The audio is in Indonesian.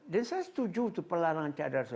dan saya setuju itu perlahan lahan cadar